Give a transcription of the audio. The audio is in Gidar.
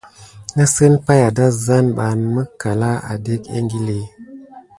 Nəsəŋ pay adazaneba tulho an mikalà adéke ékili.